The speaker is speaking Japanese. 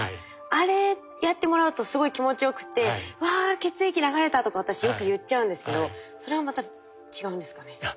あれやってもらうとすごい気持ちよくて「わあ血液流れた」とか私よく言っちゃうんですけどそれはまた違うんですかね。